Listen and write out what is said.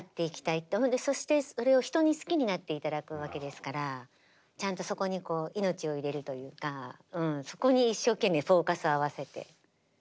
そしてそれを人に好きになって頂くわけですからちゃんとそこに命を入れるというかそこに一生懸命フォーカスを合わせてやってます。